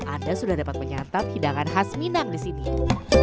anda sudah dapat menyantap hidangan khas minang di sini